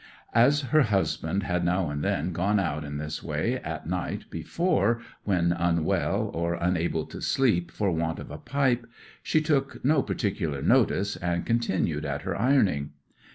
As her husband had now and then gone out in this way at night before when unwell, or unable to sleep for want of a pipe, she took no particular notice, and continued at her ironing.